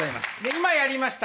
今やりました